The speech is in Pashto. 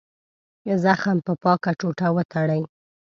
زخم په پاکه ټوټه وتړئ.